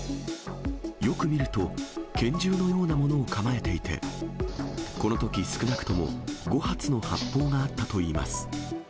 よく見ると、拳銃のようなものを構えていて、このとき少なくとも５発の発砲があったといいます。